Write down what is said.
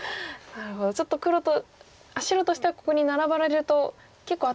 なるほどちょっと白としてはここにナラばれると結構頭痛いところ。